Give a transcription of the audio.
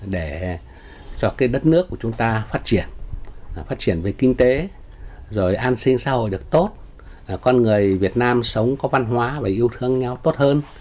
để cho đất nước của chúng ta phát triển phát triển về kinh tế rồi an sinh xã hội được tốt con người việt nam sống có văn hóa và yêu thương nhau tốt hơn